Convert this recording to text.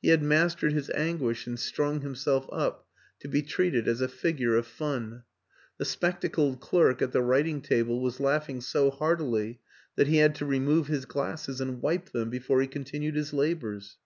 He had mastered his anguish and strung himself up to be treated as a figure of fun; the spectacled clerk at the writ ing table was laughing so heartily that he had to remove his glasses and wipe them before he con tinued his labors.